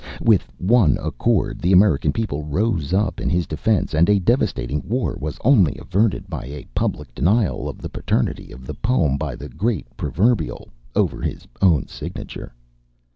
With one accord, the American people rose up in his defense, and a devastating war was only averted by a public denial of the paternity of the poem by the great Proverbial over his own signature.